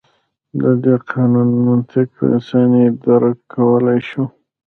د دې قانون منطق په اسانۍ درک کولای شو.